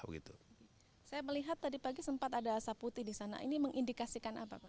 saya melihat tadi pagi sempat ada asap putih di sana ini mengindikasikan apa